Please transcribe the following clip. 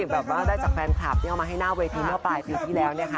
เขามึงได้จากแฟนคลับแล้วมาให้น่าเวทีเมื่อปลายปีที่แล้ว